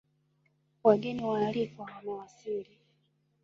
Wageni waalikwa wamewasili